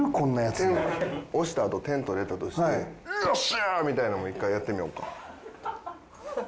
押したあと点取れたとしてよっしゃー！みたいなのも一回やってみようか。